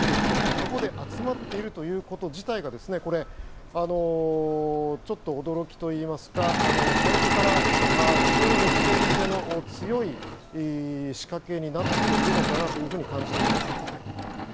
ここで集まっているということ自体がこれ、ちょっと驚きといいますか最初から非常にメッセージ性の強い仕掛けになっているのかなと感じています。